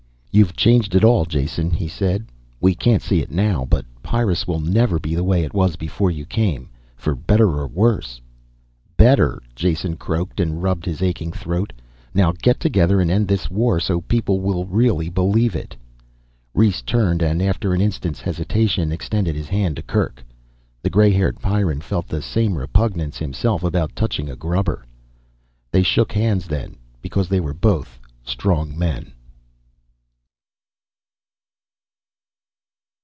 "You've changed it all, Jason," he said. "We can't see it now, but Pyrrus will never be the way it was before you came. For better or worse." "Better," Jason croaked, and rubbed his aching throat. "Now get together and end this war so people will really believe it." Rhes turned and after an instant's hesitation, extended his hand to Kerk. The gray haired Pyrran felt the same repugnance himself about touching a grubber. They shook hands then because they were both strong men.